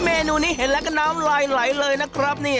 เมนูนี้เห็นแล้วก็น้ำลายไหลเลยนะครับนี่